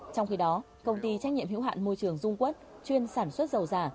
trong khi đó công ty trách nhiệm hữu hạn môi trường dung quất chuyên sản xuất dầu giả